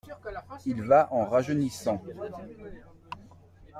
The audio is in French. Il va en rajeunissant.